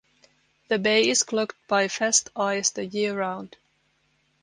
The bay is clogged by fast ice the year round.